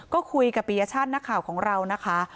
ก็คุยกับปียชาตินักข่าวของเรานะคะ